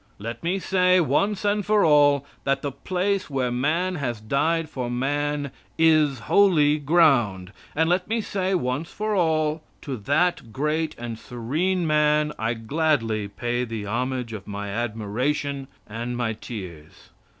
Let me say, once for all, that the place where man has died for man is holy ground; and let me say, once for all, to that great and serene man I gladly pay the homage of my admiration and my tears.